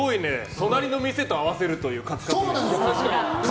隣の店と合わせるっていう。